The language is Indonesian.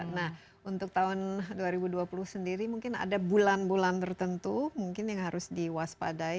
nah untuk tahun dua ribu dua puluh sendiri mungkin ada bulan bulan tertentu mungkin yang harus diwaspadai